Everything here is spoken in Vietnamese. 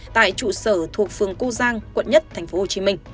tại trụ sở thuộc phường cư giang quận một tp hcm